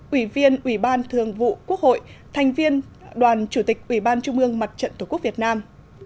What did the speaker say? ủy viên ủy ban thường vụ quốc hội thành viên đoàn chủ tịch ủy ban trung ương mặt trận tổ quốc việt nam